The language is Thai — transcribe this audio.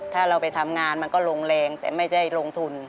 ถ้าเราไปทำงานมันก็ลงแรงแต่ไม่ได้ลงทุน